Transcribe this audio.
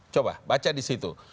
coba baca di situ